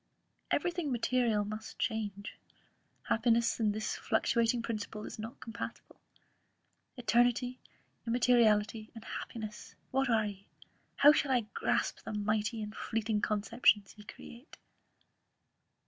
Every thing material must change; happiness and this fluctating principle is not compatible. Eternity, immateriality, and happiness, what are ye? How shall I grasp the mighty and fleeting conceptions ye create?"